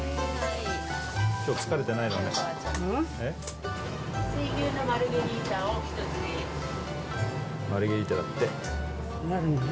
きょう疲れてないのね。